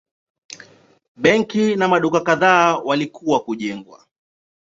A benki na maduka kadhaa walikuwa kujengwa.